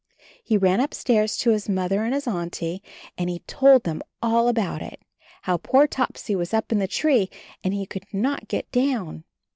He ran upstairs to his Mother and his Auntie and he told them all about it — ^how poor Topsy was up in the tree and he could not get down.